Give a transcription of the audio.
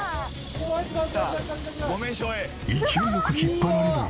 勢いよく引っ張られる糸。